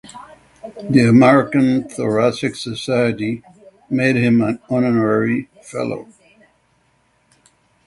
The American Thoracic Society made him an honorary fellow.